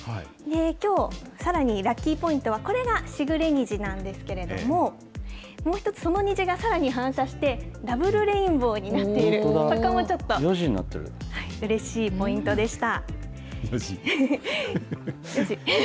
きょう、さらにラッキーポイントは、これが時雨虹なんですけれども、もう一つその虹がさらに反射して、ダブルレインボーになっている、そこもちょっとうれしいポイントでした。